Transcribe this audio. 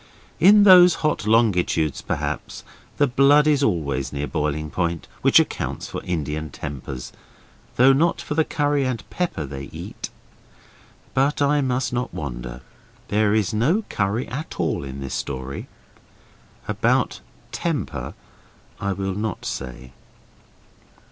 In those hot longitudes, perhaps, the blood is always near boiling point, which accounts for Indian tempers, though not for the curry and pepper they eat. But I must not wander; there is no curry at all in this story. About temper I will not say.